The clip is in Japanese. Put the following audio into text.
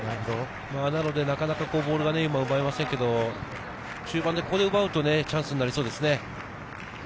なので、なかなかボールが奪えませんけど、中盤でここで奪うとチャンスになりそうですね。